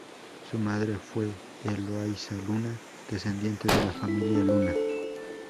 Su madre fue Eloisa Luna, descendiente de la familia Luna.